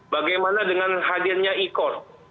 bagaimana dengan hadirnya e court